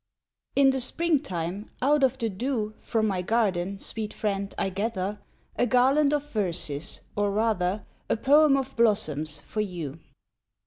In the spring time, out of the dew, From my garden, sweet friend, I gather, A garland of verses, or rather A poem of blossoms for you.